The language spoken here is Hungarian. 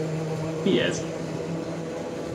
Mi ez?